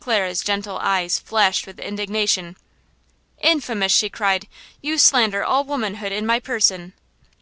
Clara's gentle eyes flashed with indignation. "Infamous!" she cried. "You slander all womanhood in my person!"